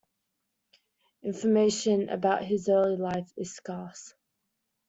Information about his early life is scarce.